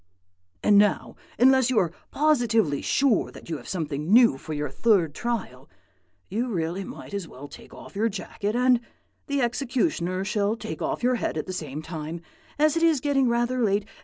And now, unless you are positively sure that you have something new for your third trial, you really might as well take off your jacket; and the executioner shall take off your head at the same time, as it is getting rather late.